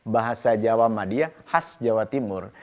bahasa jawa madia khas jawa timur